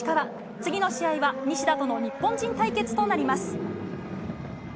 次の試合は西田との日本人対決となります。